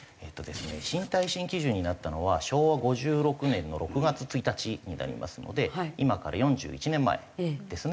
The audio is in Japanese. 新耐震基準になったのは昭和５６年の６月１日になりますので今から４１年前ですね。